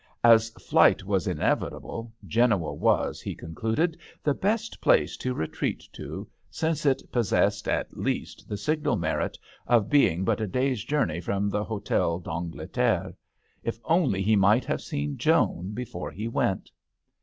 As flight was inevitable, Genoa was. he concluded, the best place to re treat to, since it possessed at least ^he signal merit of being but a day's journey from the H6tel d'Angleterre. If only he might have seen Joan before he went